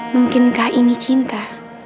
mungkinkah ini cinta